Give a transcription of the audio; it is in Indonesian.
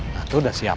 nah tuh udah siap